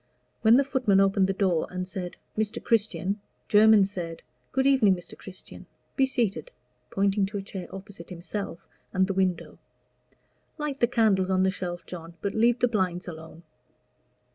When the footman opened the door and said, "Mr. Christian," Jermyn said, "Good evening, Mr. Christian. Be seated," pointing to a chair opposite himself and the window. "Light the candles on the shelf, John, but leave the blinds alone."